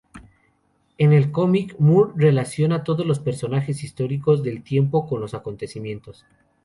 En el cómic, Moore relaciona todos los personajes históricos del tiempo con los acontecimientos.